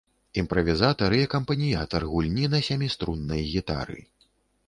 Імправізатар і акампаніятар гульні на сяміструннай гітары.